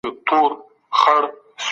که سر رګونه بند شي، فلجي رامنځ ته کېږي.